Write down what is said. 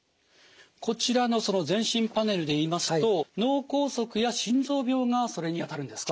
こちらの全身パネルで言いますと脳梗塞や心臓病がそれにあたるんですか？